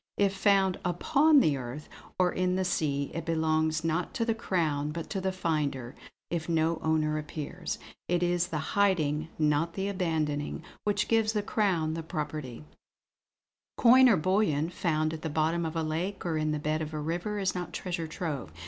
If found upon the earth, or in the sea, it belongs, not to the Crown, but to the finder, if no owner appears. It is the hiding, not the abandoning, which gives the Crown the property." "Coin or bullion found at the bottom of a lake or in the bed of a river is not treasure trove.